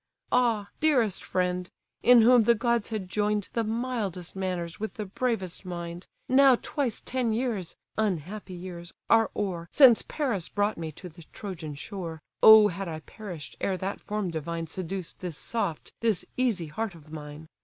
"Ah, dearest friend! in whom the gods had join'd The mildest manners with the bravest mind, Now twice ten years (unhappy years) are o'er Since Paris brought me to the Trojan shore, (O had I perish'd, ere that form divine Seduced this soft, this easy heart of mine!)